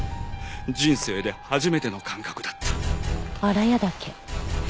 人生で初めての感覚だった。